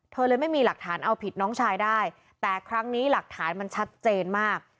เลยไม่มีหลักฐานเอาผิดน้องชายได้แต่ครั้งนี้หลักฐานมันชัดเจนมาก